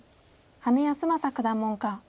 羽根泰正九段門下。